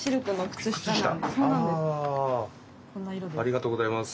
ありがとうございます。